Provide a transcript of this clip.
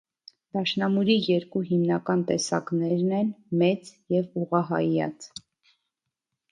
Դաշնամուրի երկու հիմնական տեսակներն են՝ մեծ եւ ուղղահայեաց։